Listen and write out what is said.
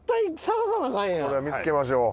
これは見つけましょう。